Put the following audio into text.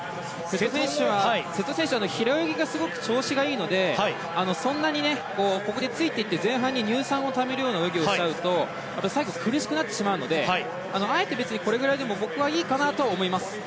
瀬戸選手は平泳ぎがすごく調子がいいのでそんなに、ここでついていって前半に乳酸をためるような泳ぎをしちゃうと最後、苦しくなってしまうのであえてこれぐらいでも僕はいいかなと思います。